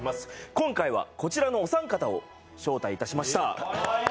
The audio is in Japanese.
今回はこちらのお三方を招待いたしました。